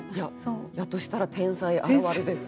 やとしたら天才現るです。